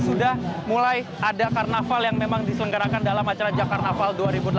sudah mulai ada karnaval yang memang diselenggarakan dalam acara jakarta dua ribu delapan belas